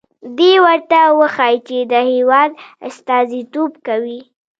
دې ورته وښيي چې د هېواد استازیتوب کوي.